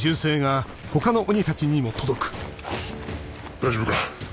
大丈夫か？